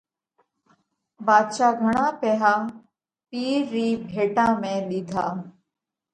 ڀاڌشا گھڻا پئِيها پِير رِي ڀيٽا ۾ ۮِيڌا۔